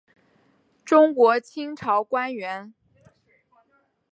中国清朝官员。